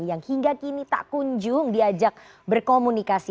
yang hingga kini tak kunjung diajak berkomunikasi